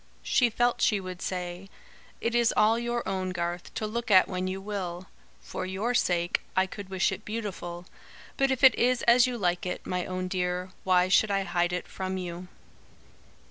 She felt she would say: "It is all your own, Garth, to look at when you will. For your sake, I could wish it beautiful; but if it is as you like it, my own Dear, why should I hide it from you?"